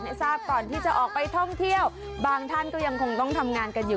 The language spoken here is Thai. ทราบก่อนที่จะออกไปท่องเที่ยวบางท่านก็ยังคงต้องทำงานกันอยู่